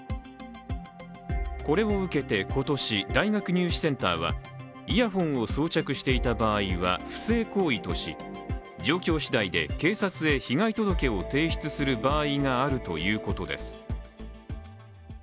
これを受けて今年、大学入試センターはイヤホンを装着していた場合は、不正行為とし状況しだいで警察へ被害届を提出する場合があるということです。